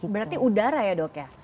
berarti udara ya dok ya